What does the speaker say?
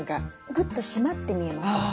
グッと締まって見えます。